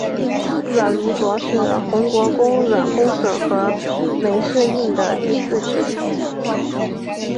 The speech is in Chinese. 阮如琢是宏国公阮公笋和枚氏映的第四子。